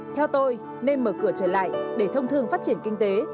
theo tôi nên mở cửa trở lại để thông thương phát triển kinh tế